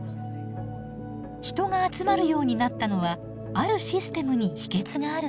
人が集まるようになったのはあるシステムに秘けつがあるそうです。